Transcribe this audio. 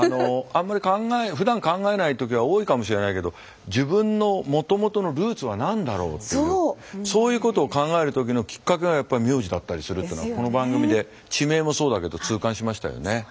あんまりふだん考えない時は多いかもしれないけど自分のもともとのルーツは何だろうっていうそういうことを考える時のきっかけがやっぱり名字だったりするってのがこの番組で地名もそうだけど痛感しましたよね。